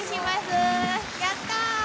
やったー！